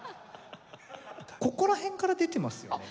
ここら辺から出てますよね。